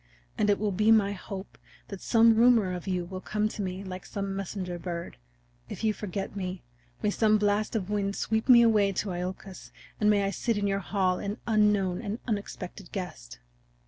And it will be my hope that some rumor of you will come to me like some messenger bird. If you forget me may some blast of wind sweep me away to Iolcus, and may I sit in your hall an unknown and an unexpected guest!"